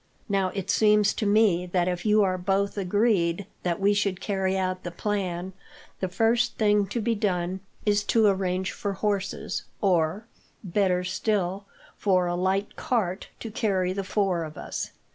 "Now, it seems to me that if you are both agreed that we should carry out the plan, the first thing to be done is to arrange for horses; or, better still, for a light cart to carry the four of us.